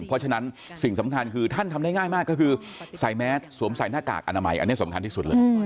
เพราะฉะนั้นสิ่งสำคัญคือท่านทำได้ง่ายมากก็คือใส่แมสสวมใส่หน้ากากอนามัยอันนี้สำคัญที่สุดเลย